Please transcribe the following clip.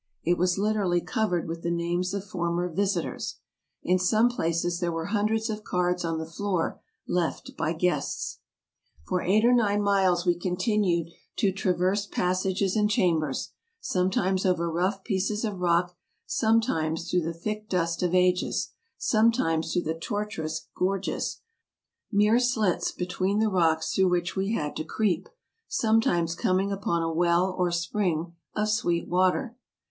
It was literally covered with the names of former visitors. In some places there were hundreds of cards on the floor, left by guests. For eight or nine miles we continued to traverse passages and chambers, sometimes over rough pieces of rock, some 66 TRAVELERS AND EXPLORERS times through the thick dust of ages, sometimes through the tortuous gorges — mere slits between the rocks through which we had to creep — sometimes coming upon a well or spring of sweet water.